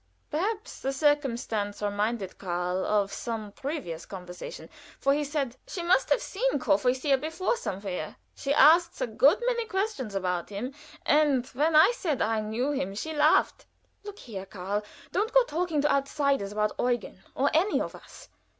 Perhaps the circumstance reminded Karl of some previous conversation, for he said: "She must have seen Courvoisier before somewhere. She asks a good many questions about him, and when I said I knew him she laughed." "Look here, Karl, don't go talking to outsiders about Eugen or any of us.